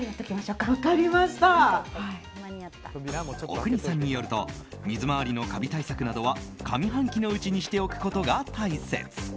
阿国さんによると水回りのカビ対策などは上半期のうちにしておくことが大切。